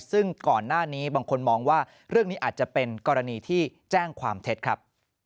ซึ่งก่อนหน้านี้บางคนมองว่าเรื่องนี้อาจจะเป็นกรณีที่แจ้งความเท็จครับ